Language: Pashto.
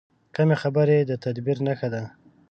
کمې خبرې، د تدبیر نښه ده.